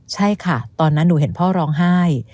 ใช่ค่ะตอนนั้นหนูเห็นพ่อร้องไห้